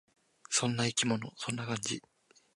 そんな生き物。そんな感じ。